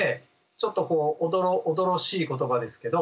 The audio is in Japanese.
ちょっとおどろおどろしい言葉ですけど。